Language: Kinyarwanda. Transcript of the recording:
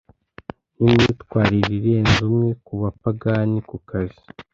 nimyitwarire irenze imwe kubupagani kukazi